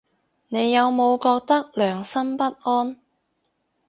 你有冇覺得良心不安